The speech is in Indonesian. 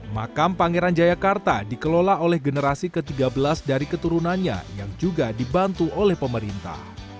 makam pangeran jayakarta dikelola oleh generasi ke tiga belas dari keturunannya yang juga dibantu oleh pemerintah